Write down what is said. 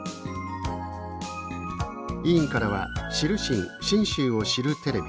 委員からは知るしん信州を知るテレビ